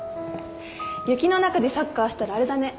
雪の中でサッカーしたらあれだね。